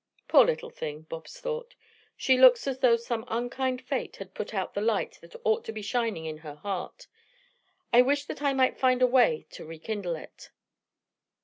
"Poor little thing," Bobs thought. "She looks as though some unkind Fate had put out the light that ought to be shining in her heart. I wish that I might find a way to rekindle it."